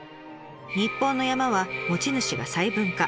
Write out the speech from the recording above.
日本の山は持ち主が細分化。